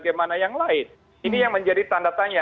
ini yang menjadi tanda tanya